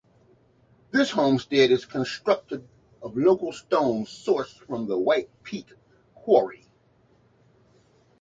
This homestead is constructed of local stone sourced from the White Peak Quarry.